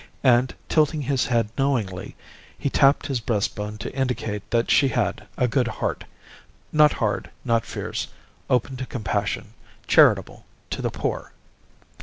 And tilting his head knowingly, he tapped his breastbone to indicate that she had a good heart: not hard, not fierce, open to compassion, charitable to the poor!